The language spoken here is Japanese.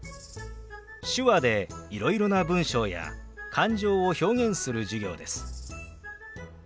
手話でいろいろな文章や感情を表現する授業です。